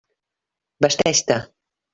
Vesteix-te.